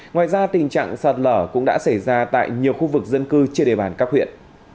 ngoài ra tình trạng sạt lở cũng đã xảy ra tại nhiều khu vực dân cư trên đề bàn các huyện